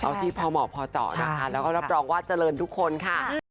เอาที่พอเหมาะพอเจาะนะคะแล้วก็รับรองว่าเจริญทุกคนค่ะ